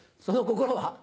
その心は？